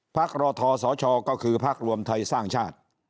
รอทสชก็คือพักรวมไทยสร้างชาติ